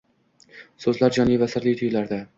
So‘zlar jonli va sirli tuyulardi.